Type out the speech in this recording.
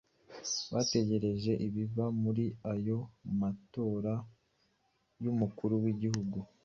bategereje ibiva muri aya matora y'umukuru w'igihugu